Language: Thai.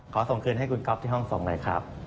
ส่งคืนให้คุณก๊อฟที่ห้องส่งหน่อยครับ